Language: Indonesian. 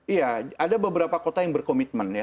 iya ada beberapa kota yang berkomitmen ya